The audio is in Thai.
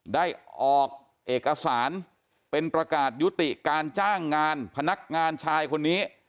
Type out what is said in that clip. ได้ออกเอกสารเป็นประกาศยุติการจ้างงานพนักงานชายคนนี้